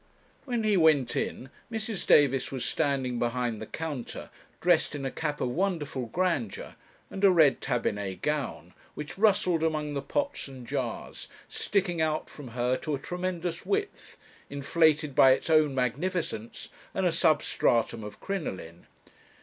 When he went in, Mrs. Davis was standing behind the counter, dressed in a cap of wonderful grandeur, and a red tabinet gown, which rustled among the pots and jars, sticking out from her to a tremendous width, inflated by its own magnificence and a substratum of crinoline.